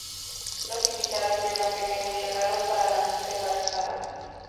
Los invitados llevan pequeños regalos para la mujer embarazada.